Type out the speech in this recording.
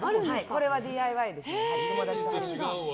これはＤＩＹです。